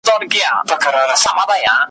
پل یې هېر دی له دښتونو یکه زار له جګو غرونو `